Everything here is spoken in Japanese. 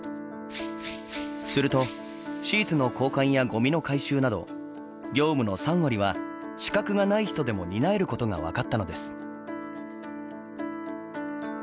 すると、シーツの交換やゴミの回収など業務の３割は資格がない人でも担えることが分かったのです。